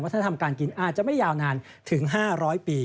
ธรรมการกินอาจจะไม่ยาวนานถึง๕๐๐ปี